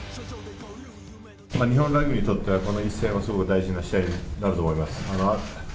日本ラグビーにとってはこの一戦はすごい大事な試合になると思います。